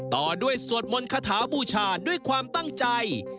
ต่อด้วยสวดมนต์คาถาบูชาด้วยความตั้งใจ